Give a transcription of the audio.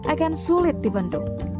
akan sulit dibentuk